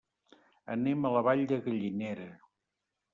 Anem a la Vall de Gallinera.